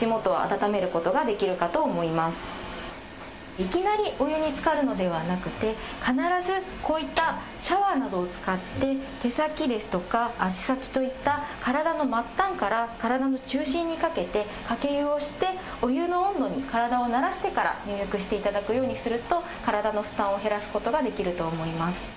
いきなりお湯につかるのではなくて必ずこういったシャワーなどを使って手先ですとか足先といった体の末端から体の中心にかけてかけ湯をしてお湯の温度に体を慣らしてから入浴していただくようにすると体の負担を減らすことができると思います。